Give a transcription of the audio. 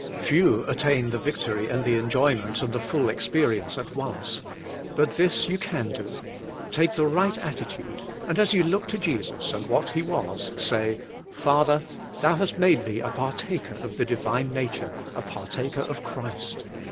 '' Few attain the victory and the enjoy, ment :ind the full experience at once. But this you can do: Take the right attitude and as you look to Jesus and what He was, say: "Father, Thou hast made me a partaker of the divine nature, a par taker of Christ.